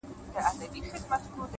اخلاص باور ژوروي،